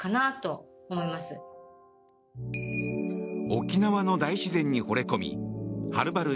沖縄の大自然にほれ込みはるばる